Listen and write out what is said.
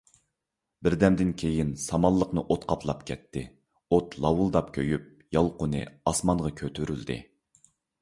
بىردەمدىن كېيىن سامانلىقنى ئوت قاپلاپ كەتتى، ئوت لاۋۇلداپ كۆيۈپ، يالقۇنى ئاسمانغا كۆتۈرۈلدى.